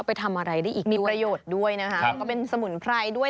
เอาไปทำอะไรได้อีกด้วยนะครับมีประโยชน์ด้วยนะครับก็เป็นสมุนไพรด้วย